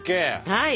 はい。